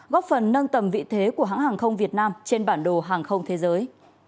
góp phần nâng tầm vị thế của hãng hàng không việt nam trên bản đồ hàng không thế giới